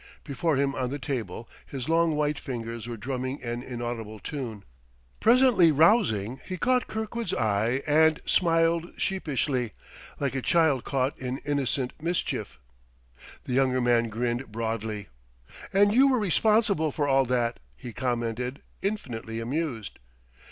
Before him on the table his long white fingers were drumming an inaudible tune. Presently rousing, he caught Kirkwood's eye and smiled sheepishly, like a child caught in innocent mischief. The younger man grinned broadly. "And you were responsible for all that!" he commented, infinitely amused.